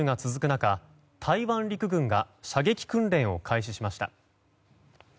中台湾陸軍が射撃訓練を開始しました。